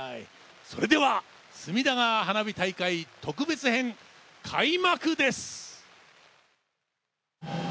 それでは隅田川花火大会、特別編、開幕です！